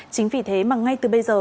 chính vì thế mà ngay từ bây giờ